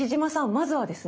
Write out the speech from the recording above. まずはですね